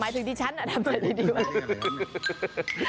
หมายถึงที่ฉันน่ะทำใจดีด้วย